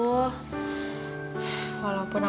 walaupun aurel tinggal di australia kan